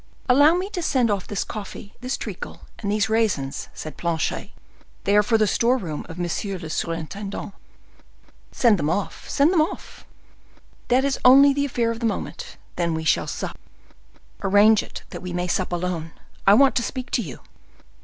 "Allow me to send off this coffee, this treacle, and these raisins," said Planchet; "they are for the store room of monsieur le surintendant." "Send them off, send them off!" "That is only the affair of a moment, then we shall sup." "Arrange it that we may sup alone; I want to speak to you."